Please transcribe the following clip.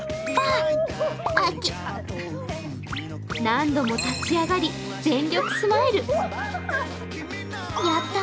何度も立ち上がり、全力スマイル！